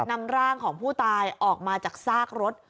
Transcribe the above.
นำร่างของผู้ตายออกมาจากซากรถ